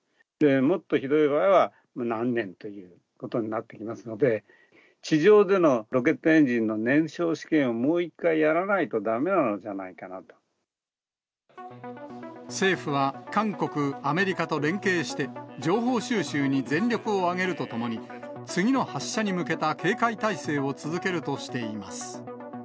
もっとひどい場合は、何年ということになってきますので、地上でのロケットエンジンの燃焼試験をもう一回やらないとだめな政府は韓国、アメリカと連携して、情報収集に全力を挙げるとともに、次の発射に向けた警戒態勢を続けるとしています。